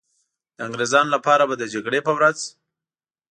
د انګریزانو لپاره به د جګړې په ورځ.